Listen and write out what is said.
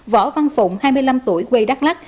võ văn phụng hai mươi năm tuổi quê đắk lắc